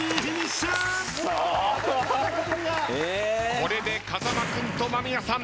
これで風間君と間宮さん